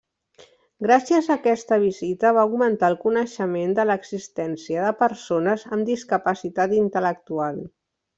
Gràcies a aquesta visita va augmentar el coneixement de l'existència de persones amb discapacitat intel·lectual.